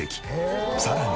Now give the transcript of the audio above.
さらに。